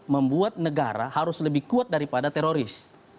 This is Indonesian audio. membuat negara harus lebih kuat daripada teroris